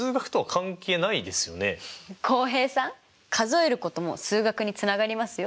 浩平さん数えることも数学につながりますよ。